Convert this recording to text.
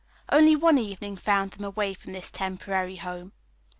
Only one evening found them away from this temporary home.